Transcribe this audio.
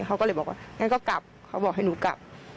เขาก็เลยบอกว่างั้นก็กลับเขาบอกให้หนูกลับ